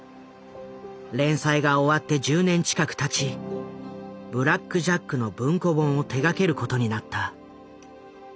連載が終わって１０年近くたち「ブラック・ジャック」の文庫本を手がけることになった。